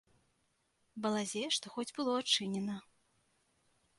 Балазе што хоць было адчынена.